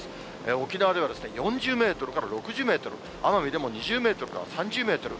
沖縄では４０メートルから６０メートル、奄美でも２０メートルから３０メートル。